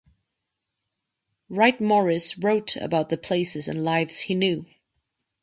Wright Morris wrote about the places and lives he knew.